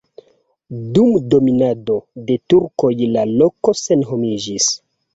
Dum dominado de turkoj la loko senhomiĝis.